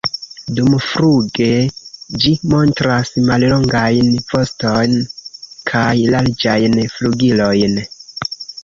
Dumfluge ĝi montras mallongajn voston kaj larĝajn flugilojn.